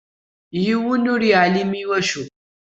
Yiwen ur yeɛlim iwacu.